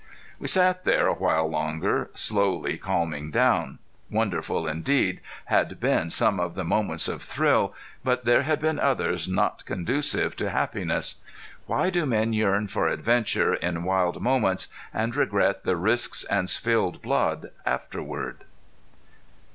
We sat there a while longer, slowly calming down. Wonderful indeed had been some of the moments of thrill, but there had been others not conducive to happiness. Why do men yearn for adventure in wild moments and regret the risks and spilled blood afterward?